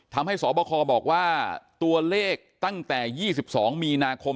ทำให้สบคบอกว่าตัวเลขตั้งแต่๒๒มีนาคม